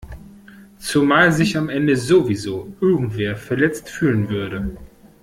Zumal sich am Ende sowieso irgendwer verletzt fühlen würde.